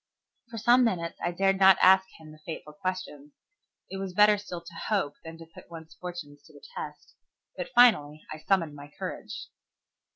For some minutes I dared not ask him the fateful questions. It was better still to hope than to put one's fortunes to the test. But I finally summoned my courage.